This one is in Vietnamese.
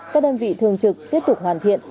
các đơn vị thường trực tiếp tục hoàn thiện